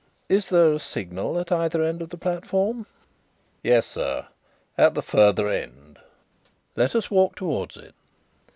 Is there a signal at either end of the platform?" "Yes, sir; at the further end." "Let us walk towards it.